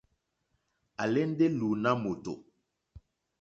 À álèndé lùùná mòtò.